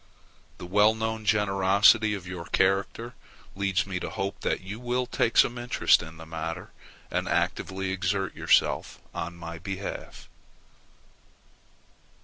The well known generosity of your character leads me to hope that you will take some interest in the matter, and actively exert yourself on my behalf.